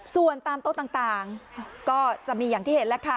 ส่วนตามโต๊ะต่างก็จะมีอย่างที่เห็นแล้วค่ะ